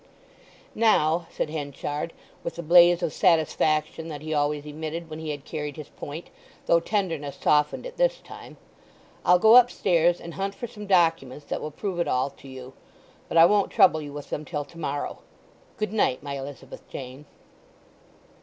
"Now," said Henchard, with the blaze of satisfaction that he always emitted when he had carried his point—though tenderness softened it this time—"I'll go upstairs and hunt for some documents that will prove it all to you. But I won't trouble you with them till to morrow. Good night, my Elizabeth Jane!"